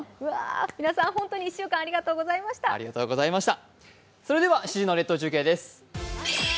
皆さん、本当に１週間ありがとうございました。